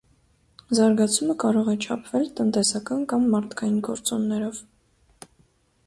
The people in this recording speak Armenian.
Զարգացումը կարող է չափվել տնտեսական կամ մարդկային գործոններով։